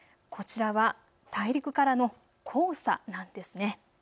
こちらは大陸からの黄砂なんです。